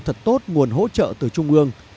thật tốt nguồn hỗ trợ từ trung ương